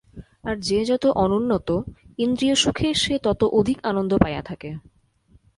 আর যে যত অনুন্নত, ইন্দ্রিয়সুখে সে তত অধিক আনন্দ পাইয়া থাকে।